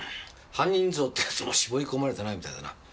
犯人像ってやつも絞り込まれてないみたいだな。